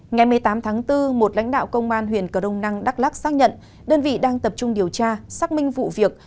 ngày một mươi tám tháng bốn một lãnh đạo công an huyện cờ rông năng đắk lắc xác nhận đơn vị đang tập trung điều tra xác minh vụ việc